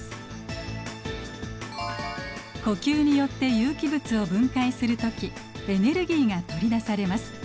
呼吸によって有機物を分解する時エネルギーが取り出されます。